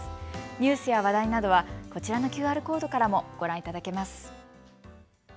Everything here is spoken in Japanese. ニュースや話題などはこちらのＱＲコードからもご覧いただけます。